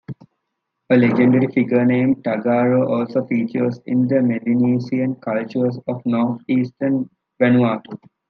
A legendary figure named Tagaro also features in the Melanesian cultures of north-eastern Vanuatu.